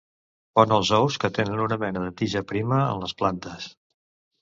Pon els ous, que tenen una mena de tija prima, en les plantes.